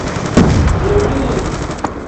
Yelii.